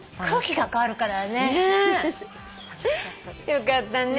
よかったね。